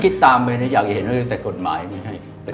คิดตามไปอยากจะเห็นเหลือเกิดแต่กฎหมายไม่ให้